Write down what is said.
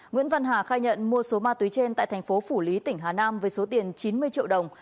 nguyễn văn hà khai nhận mua số ma túy trên tại thành phố phủ lý tỉnh hà nam với số tiền chín mươi triệu đồng